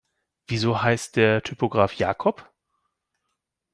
Wieso heißt der Typograf Jakob?